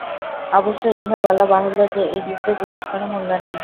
অবশ্য ইহা বলা বাহুল্য যে, এই যুক্তির বিশেষ কোন মূল্য নাই।